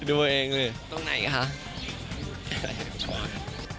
ไปดูที่ไหนค่ะตรงไหนค่ะไปดูตัวเอง